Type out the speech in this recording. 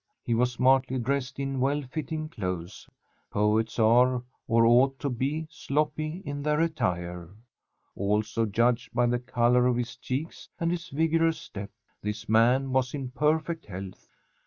He was smartly dressed in well fitting clothes. Poets are, or ought to be, sloppy in their attire. Also, judged by the colour of his cheeks and his vigorous step, this man was in perfect health.